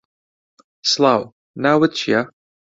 سڵاو، ناوت چییە؟